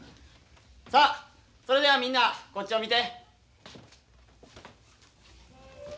さあそれではみんなこっちを見て。